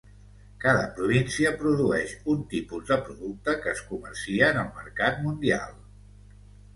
Cada província produeix un tipus de producte que es comercia en el mercat mundial.